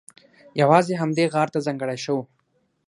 یوازې همدې غار ته ځانګړی شو.